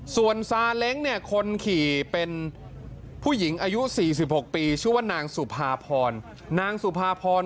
ส่วนซาเล้งเนี่ยคนขี่เป็นผู้หญิงอายุ๔๖ปีชื่อว่านางสุภาพรนางสุภาพร